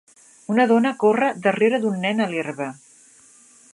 Una dona corre darrere d'un nen a l'herba.